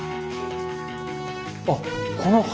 あっこの柱。